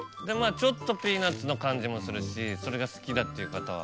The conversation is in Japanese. ちょっとピーナッツの感じもするしそれが好きだっていう方は。